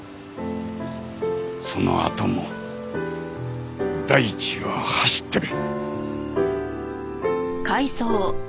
そのあとも大地は走ってる。